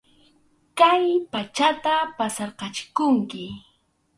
Kay pachata pasarqachikunki.